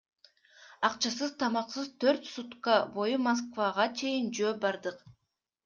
Акчасыз, тамаксыз төрт сутка бою Москвага чейин жөө бардык.